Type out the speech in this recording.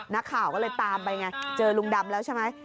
นักข่าวก็เลยตามไปไงเจอลุงดำแล้วใช่ไหม